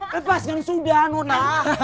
lepaskan sudah nona